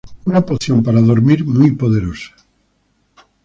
Una poción para dormir muy poderosa.